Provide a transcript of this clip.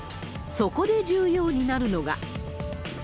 そこで重要になるのが。